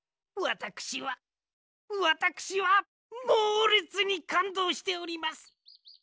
わたくしはわたくしはもうれつにかんどうしております。